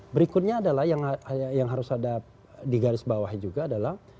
berikutnya adalah yang harus ada di garis bawah juga adalah